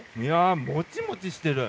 もちもちしている。